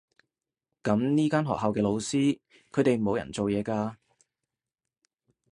噉呢間學校嘅老師，佢哋冇人做嘢㗎？